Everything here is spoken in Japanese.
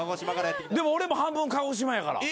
でも俺も半分鹿児島やから。